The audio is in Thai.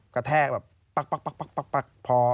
กระแทกแบบปั๊ก